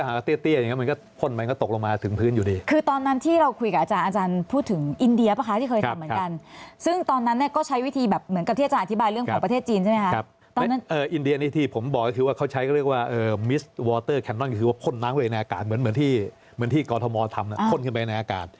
เหมือนที่กอล์โธมอท์ทำพ่นขึ้นไปในอากาศ